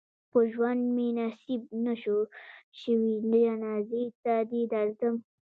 په ژوند مې نصیب نه شوې جنازې ته دې درځم.